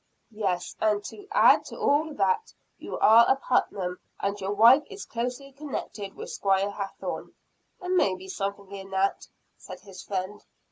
"Yes, and to add to all that, you are a Putnam; and your wife is closely connected with Squire Hathorne." "There may be something in that," said his friend.